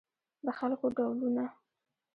د خلکو ډولونه